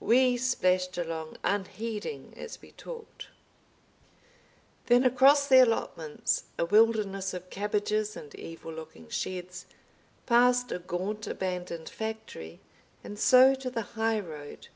We splashed along unheeding as we talked. Then across the allotments, a wilderness of cabbages and evil looking sheds, past a gaunt abandoned factory, and so to the high road.